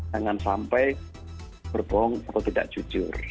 jangan sampai berbohong atau tidak jujur